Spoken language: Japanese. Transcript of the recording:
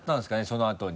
そのあとに。